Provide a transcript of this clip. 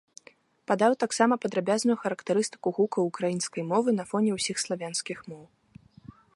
Падаў таксама падрабязную характарыстыку гукаў украінскай мовы на фоне ўсіх славянскіх моў.